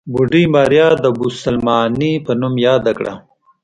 بوډۍ ماريا د بوسلمانې په نوم ياده کړه.